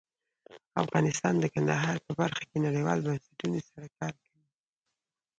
افغانستان د کندهار په برخه کې نړیوالو بنسټونو سره کار کوي.